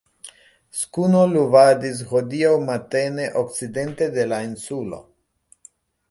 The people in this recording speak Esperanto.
Skuno luvadis hodiaŭ matene okcidente de la Insulo.